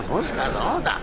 「そうだ。